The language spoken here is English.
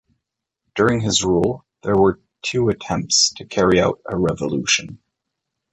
During his rule there were two attempts to carry out a revolution.